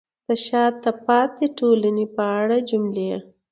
د شاته پاتې ټولنې په اړه جملې: